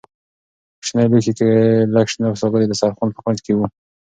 په کوچني لوښي کې لږ شنه سابه د دسترخوان په کونج کې وو.